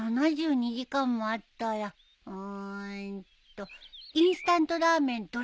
７２時間もあったらうーんとインスタントラーメン